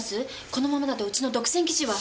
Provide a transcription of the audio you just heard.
このままだとウチの独占記事は。